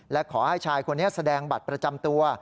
และขอให้ชายคนนี้แสดงบัตรประจำตัว